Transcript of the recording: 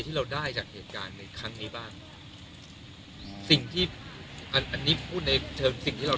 ที่เราได้จากเหตุการณ์ในครั้งนี้บ้างอืมสิ่งที่อันนี้พูดในเชิงสิ่งที่เรา